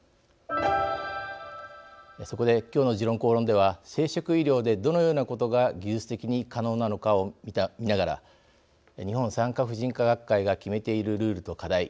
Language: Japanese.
そこで今日の「時論公論」では生殖医療でどのようなことが技術的に可能なのかを見ながら日本産科婦人科学会が決めているルールと課題